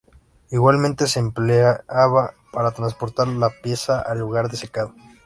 Igualmente se empleaban para transportar la pieza al lugar de secado.